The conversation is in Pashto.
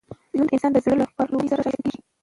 ژوند د انسان د زړه له پاکوالي سره ښایسته کېږي.